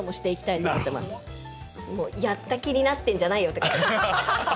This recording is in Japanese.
もうやった気になってんじゃないよって感じ。